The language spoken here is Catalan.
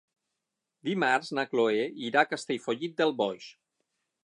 Dimarts na Cloè irà a Castellfollit del Boix.